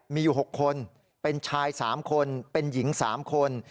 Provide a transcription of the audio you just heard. มีอยู่๖คนเป็นชาย๓คนเป็นหญิง๓คน